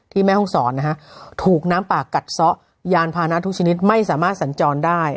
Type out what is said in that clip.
แม่ห้องศรนะฮะถูกน้ำป่ากัดซะยานพานะทุกชนิดไม่สามารถสัญจรได้